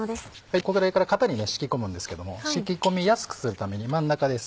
ここらへんから型に敷き込むんですけども敷き込みやすくするために真ん中です。